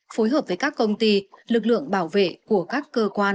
phối hợp với các công ty lực lượng bảo vệ của các cơ quan